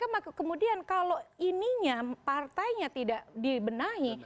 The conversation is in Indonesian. maka kemudian kalau ininya partainya tidak dibenahi